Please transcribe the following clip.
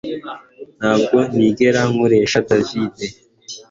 Ntabwo nigera nkoresha David